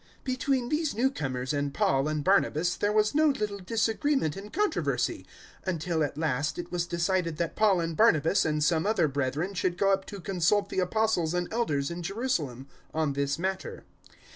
015:002 Between these new comers and Paul and Barnabas there was no little disagreement and controversy, until at last it was decided that Paul and Barnabas and some other brethren should go up to consult the Apostles and Elders in Jerusalem on this matter.